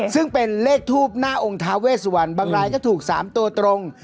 ซึ่งเป็นเลขทูบหน้าองค์ท้าเวสวันบางรายก็ถูก๓ตัวตรง